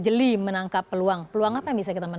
jeli menangkap peluang peluang apa yang bisa kita